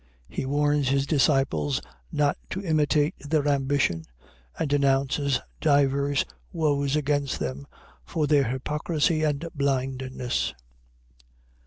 He warns his disciples not to imitate their ambition and denounces divers woes against them for their hypocrisy and blindness.